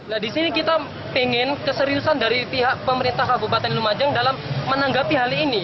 nah di sini kita ingin keseriusan dari pihak pemerintah kabupaten lumajang dalam menanggapi hal ini